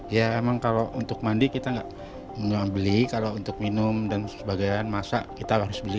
ya memang kalau untuk mandi kita tidak membeli kalau untuk minum dan sebagainya kita harus beli